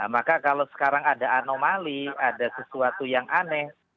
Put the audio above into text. maka kalau sekarang ada anomali ada sesuatu yang aneh